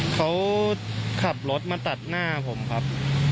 เขาขับรถมาตัดหน้าผมครับ